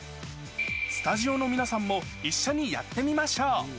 スタジオの皆さんも一緒にやってみましょう。